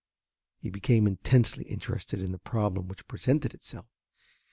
He became intensely interested in the problem which presented itself.